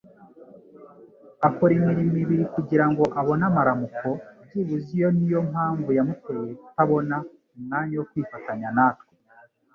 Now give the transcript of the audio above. Akora imirimo ibiri kugirango abone amaramuko; byibuze, iyo niyo mpamvu yamuteye kutabona umwanya wo kwifatanya natwe.